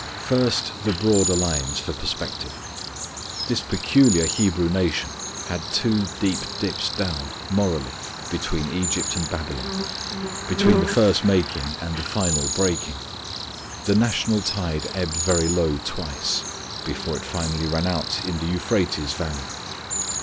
First the broader lines for perspective. This peculiar Hebrew nation had two deep dips down morally between Egypt and Babylon; between the first making, and the final breaking. The national tide ebbed very low twice, before it finally ran out in the Euphrates Valley.